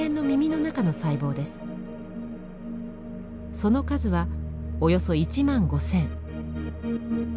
その数はおよそ１万５，０００。